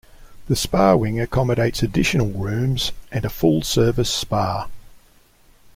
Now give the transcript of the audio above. The spa wing accommodates additional rooms and a full-service spa.